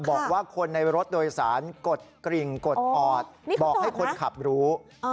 บอกว่าคนในรถโดยสารกดกริ่งกดออดบอกให้คนขับรู้